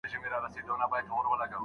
ملا وایي چې غږ ډېر نږدې دی.